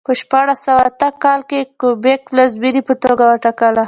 په شپاړس سوه اته کال کې کیوبک پلازمېنې په توګه وټاکله.